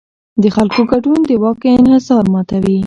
د خلکو ګډون د واک انحصار ماتوي